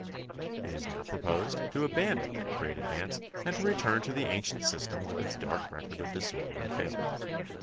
It is now proposed to abandon that great advance and to return to the ancient system with its dark record of disorder and failure.